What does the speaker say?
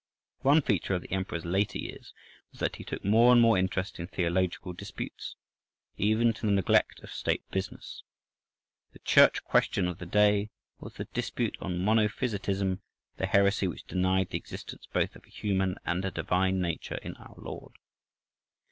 (13) One feature of the Emperor's later years was that he took more and more interest in theological disputes, even to the neglect of State business. The Church question of the day was the dispute on Monophysitism, the heresy which denied the existence both of a human and a divine nature in Our Lord.